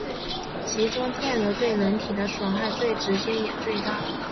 其中电流对人体的损害最直接也最大。